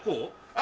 あ！